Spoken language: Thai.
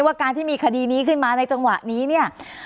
ว่าการที่มีคดีนี้ขึ้นมาในจังหวะนี้เนี่ย